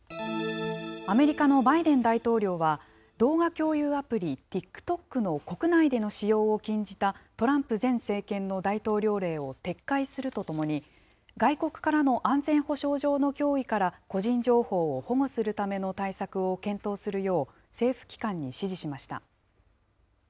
アメリカのバイデン大統領は、動画共有アプリ、ＴｉｋＴｏｋの国内での使用を禁じたトランプ前政権の大統領令を撤回するとともに、外国からの安全保障上の脅威から個人情報を保護するための対策を検討するよう、政府機関に指示しました。